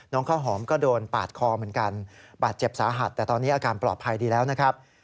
ข้าวหอมก็โดนปาดคอเหมือนกันบาดเจ็บสาหัสแต่ตอนนี้อาการปลอดภัยดีแล้วนะครับ